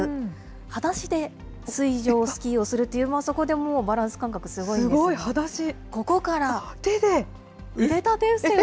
はだしで水上スキーをするという、そこでもうバランス感覚、すごいんですが。